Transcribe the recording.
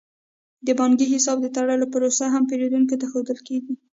د بانکي حساب د تړلو پروسه هم پیرودونکو ته ښودل کیږي.